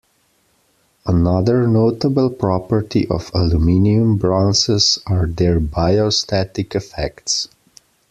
Another notable property of aluminium bronzes are their biostatic effects.